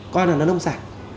coi là nó nông sản